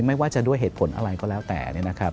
ไม่ว่าจะด้วยเหตุผลอะไรก็แล้วแต่